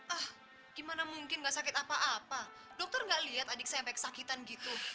ah gimana mungkin gak sakit apa apa dokter gak lihat adik saya sampai kesakitan gitu